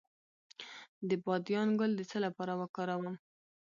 د بادیان ګل د څه لپاره وکاروم؟